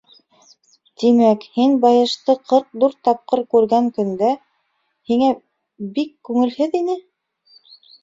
Тимәк, һин байышты ҡырҡ дүрт тапҡыр күргән көндә, һиңә бик күңелһеҙ ине?